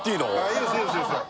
いいですいいですよ